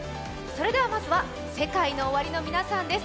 まずはＳＥＫＡＩＮＯＯＷＡＲＩの皆さんです。